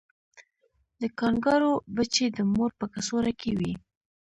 د کانګارو بچی د مور په کڅوړه کې وي